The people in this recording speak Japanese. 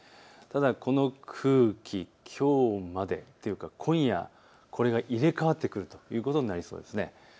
ただこの空気きょうまでということで今夜これが入れ替わってくるということです。